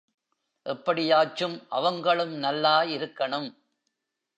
எப்படியாச்சும் அவங்களும் நல்லா இருக்கணும்.